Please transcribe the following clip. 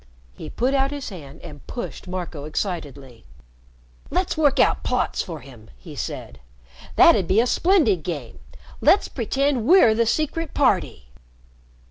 He put out his hand and pushed Marco excitedly. "Let's work out plots for him!" he said. "That'd be a splendid game! Let's pretend we're the Secret Party!"